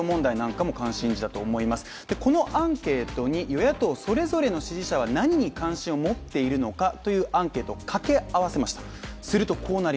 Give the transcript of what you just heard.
このアンケートに与野党それぞれの支持者は何に関心を持っているのかというアンケートを掛け合わせました。